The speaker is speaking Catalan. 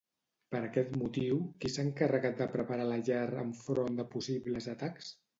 Per aquest motiu, qui s'ha encarregat de preparar la llar enfront de possibles atacs?